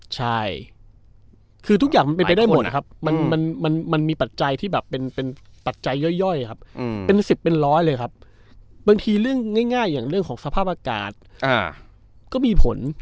ใช่คือทุกอย่างมันเป็นไปได้หมดครับมันมีปัจจัยที่แบบเป็นปัจจัยย่อยครับเป็น๑๐เป็นร้อยเลยครับบางทีเรื่องง่ายอย่างเรื่องของสภาพอากาศก็มีผล